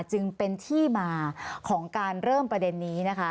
จึงเป็นที่มาของการเริ่มประเด็นนี้นะคะ